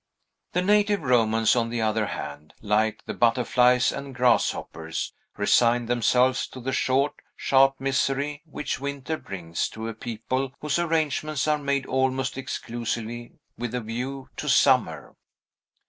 The native Romans, on the other hand, like the butterflies and grasshoppers, resigned themselves to the short, sharp misery which winter brings to a people whose arrangements are made almost exclusively with a view to summer.